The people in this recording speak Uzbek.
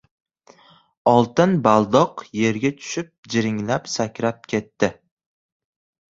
Oltin baldoq yerga tushib jiringlab sakrab ketdi.